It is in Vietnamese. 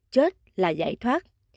chết là giải thoát